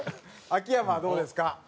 秋山はどうですか？